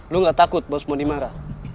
lo gak takut bos modi marah